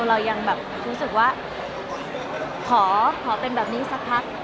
เรายังแบบรู้สึกว่าขอเป็นแบบนี้สักพัก